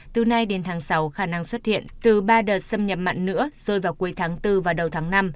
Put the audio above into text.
từ nay đến tháng sáu khả năng xuất hiện từ ba đợt xâm nhập mặn nữa rơi vào cuối tháng bốn và đầu tháng năm